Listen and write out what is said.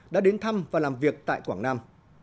đã đến thăm và làm việc tại quảng nam